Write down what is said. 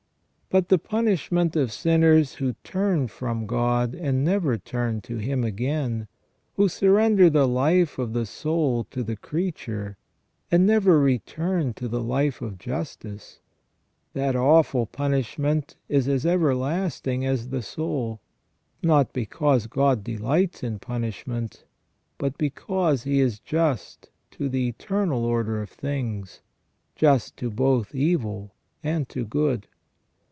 But the punishment of sinners who turn from God and never turn to Him again, who surrender the life of the soul to the creature, and never return to the life of justice, that awful punishment is as everlasting as the soul ; not because God dehghts in punishment, but because He is just to the eternal order of things — ^just both to evil and to good.